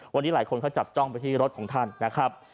วันนี้หลายคนเขาจับจ้องไปที่รถของท่านนะครับ